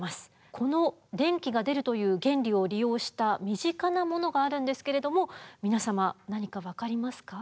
この電気が出るという原理を利用した身近なものがあるんですけれども皆様何かわかりますか？